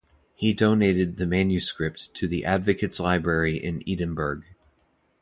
He donated the manuscript to the Advocates' Library in Edinburgh.